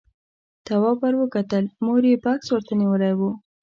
تواب ور وکتل، مور يې بکس ورته نيولی و.